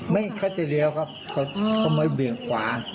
ไม่เค้าไปเลี้ยวครับเค้าไปบียงขวา